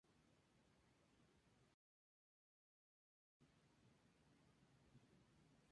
El modelo es un Techo targa, es decir un dos plazas con carrocería descapotable.